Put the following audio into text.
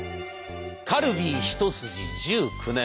カルビーひと筋１９年。